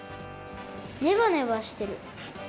ネバネバしてる。